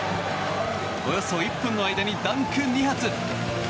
およそ１分の間にダンク２発。